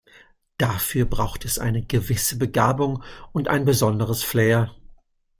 Dafür braucht es eine gewisse Begabung und ein besonderes Flair.